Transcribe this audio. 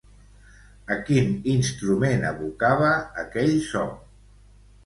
A quin instrument evocava aquell so?